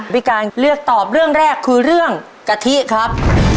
พี่การเลือกตอบเรื่องแรกคือเรื่องกะทิครับ